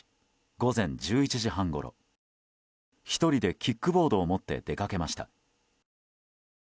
午前１１時半ごろ１人でキックボードを持って出かけました。